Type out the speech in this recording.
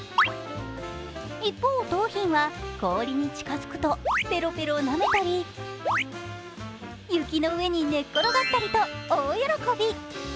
一方、桃浜は氷に近づくとペロペロなめたり、雪の上に寝っ転がったりと大喜び。